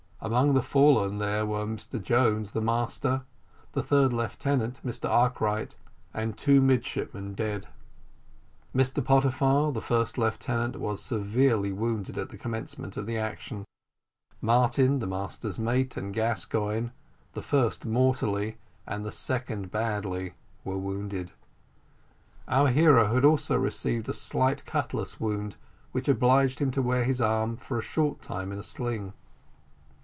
Among the fallen there were Mr Jones the master, the third lieutenant Mr Awkwright, and two midshipmen killed. Mr Pottyfar, the first lieutenant, severely wounded at the commencement of the action. Martin, the master's mate, and Gascoigne, the first mortally, and the second badly, wounded. Our hero had also received a slight cutlass wound, which obliged him to wear his arm, for a short time, in a sling.